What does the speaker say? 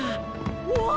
うわ！